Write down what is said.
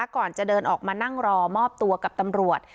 ก่อนจะเดินออกมานั่งรอมอบตัวกับตำรวจ